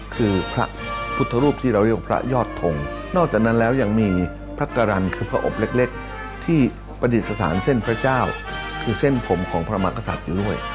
คือพระพุทธรูปที่เราเรียกว่าพระยอดทงนอกจากนั้นแล้วยังมีพระการันคือพระอบเล็กที่ประดิษฐานเส้นพระเจ้าคือเส้นผมของพระมากษัตริย์อยู่ด้วย